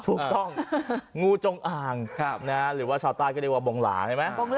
ถูกต้องงูจงอ่างหรือว่าชาวใต้ก็เรียกว่าบงหลาใช่ไหม